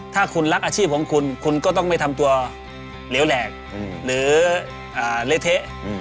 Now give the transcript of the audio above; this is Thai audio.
ถ้าคุณรักอาชีพของคุณคุณก็ต้องไม่ทำตัวเหลวแหลกหรือเละเทะ